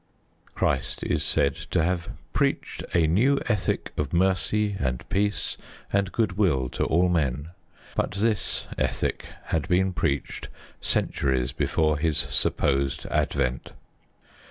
Christ is said to have preached a new ethic of mercy and peace and good will to all men. But this ethic had been preached centuries before His supposed advent.